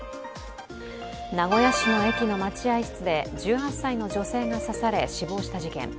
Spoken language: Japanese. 名古屋市の駅の待合室で１８歳の女性が刺され死亡した事件。